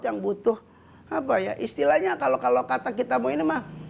yang butuh apa ya istilahnya kalau kalau kata kita mau ini mah